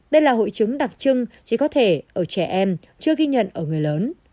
đây là hội chứng đặc trưng chỉ có thể ở trẻ em chưa ghi nhận ở người lớn